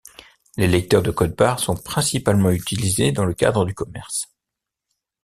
Les lecteurs de code-barres sont principalement utilisés dans le cadre du commerce.